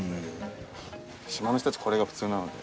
島の人たちは、これが普通なので。